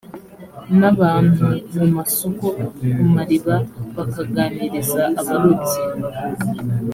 n abantu mu masoko ku mariba bakaganiriza abarobyi